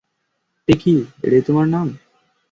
টিকি, এটাই তোমার নাম?